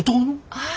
はい。